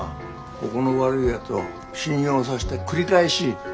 ここの悪いやつを信用さして繰り返し借りさせる。